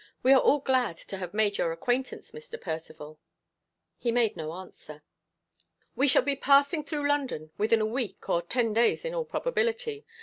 We are all glad to have made your acquaintance, Mr. Percivale." He made no answer. "We shall be passing through London within a week or ten days in all probability.